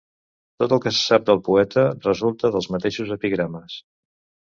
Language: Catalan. Tot el que se sap del poeta resulta dels mateixos epigrames.